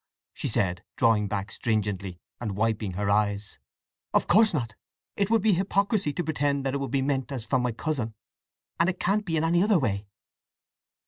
she said, drawing back stringently, and wiping her eyes. "Of course not! It would be hypocrisy to pretend that it would be meant as from my cousin; and it can't be in any other way."